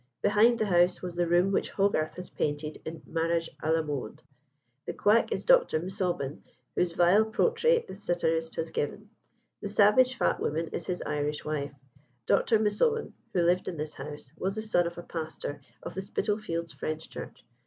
Behind the house was the room which Hogarth has painted in "Marriage à la Mode." The quack is Dr. Misaubin, whose vile portrait the satirist has given. The savage fat woman is his Irish wife. Dr. Misaubin, who lived in this house, was the son of a pastor of the Spitalfields French Church.